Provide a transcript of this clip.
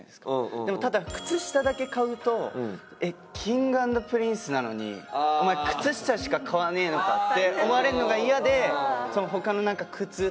でもただ靴下だけ買うと「Ｋｉｎｇ＆Ｐｒｉｎｃｅなのにお前靴下しか買わねえのか」って思われるのがイヤで他のなんか靴とかバッグとかも。